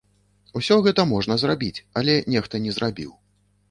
Усё гэта можна зрабіць, але нехта не зрабіў.